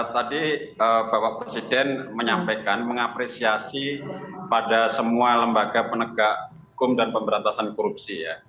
tadi bapak presiden menyampaikan mengapresiasi pada semua lembaga penegak hukum dan pemberantasan korupsi